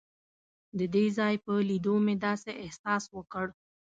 د دې ځای په لیدو مې داسې احساس وکړ.